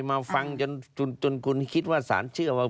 มาฟังจนคุณคิดว่าสารเชื่อว่า